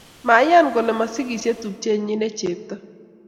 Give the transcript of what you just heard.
maiyan kole masikisie tupchenyin ne chepto